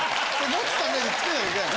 持つためにつけないといけない。